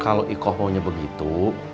kalau ikoh maunya begitu